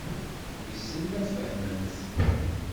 Wissen ma tfehmemt.